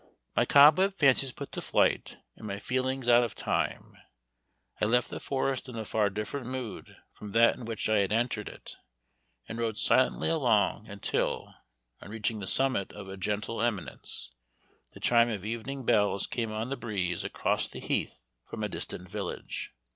'" My cobweb fancies put to flight, and my feelings out of tune, I left the forest in a far different mood from that in which I had entered it, and rode silently along until, on reaching the summit of a gentle eminence, the chime of evening bells came on the breeze across the heath from a distant village.